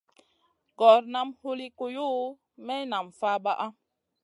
Gor nam huli kuyuʼu, maï nam fabaʼa.